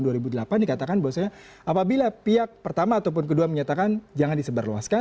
dikatakan bahwasanya apabila pihak pertama ataupun kedua menyatakan jangan disebarluaskan